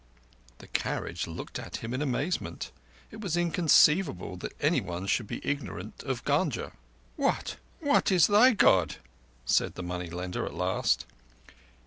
The carriage looked at him in amazement. It was inconceivable that anyone should be ignorant of Gunga. "What—what is thy God?" said the money lender at last.